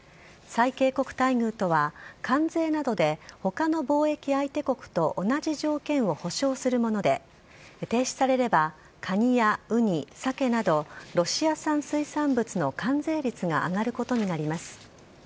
最恵国待遇とは、関税などでほかの貿易相手国と同じ条件を保障するもので、停止されればカニやウニ、サケなど、ロシア産水産物の関税率が上がることになります。